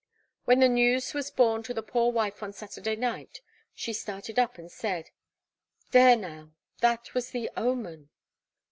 When the news was borne to the poor wife on Saturday night, she started up and said, "There now, that was the omen!"'